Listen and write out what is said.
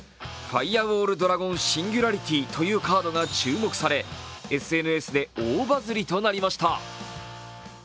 ファイアウォール・ドラゴン・シンギュラリティというカードが注目され、ＳＮＳで大バズりとなりました。